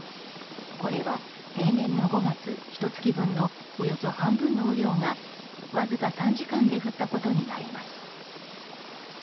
これは平年の５月ひと月分のおよそ半分の雨量がわずか３時間で降ったことになります。